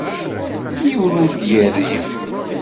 Yiwen ur d-yerri.